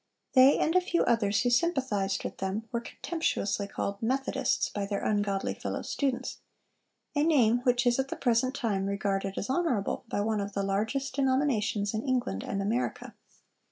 They and a few others who sympathized with them were contemptuously called Methodists by their ungodly fellow students,—a name which is at the present time regarded as honorable by one of the largest denominations in England and America.